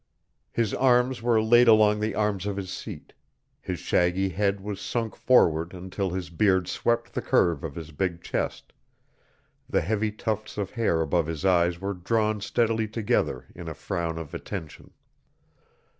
His arms were laid along the arms of his seat; his shaggy head was sunk forward until his beard swept the curve of his big chest; the heavy tufts of hair above his eyes were drawn steadily together in a frown of attention.